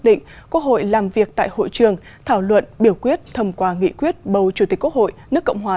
định quốc hội làm việc tại hội trường thảo luận biểu quyết thông qua nghị quyết bầu chủ tịch quốc hội